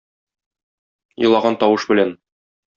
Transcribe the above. Елаган тавыш белән.